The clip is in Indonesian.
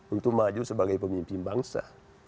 untuk maju sebagai pemimpin bangsa